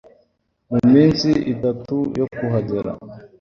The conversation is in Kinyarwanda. mu minsi itatu yo kuhagera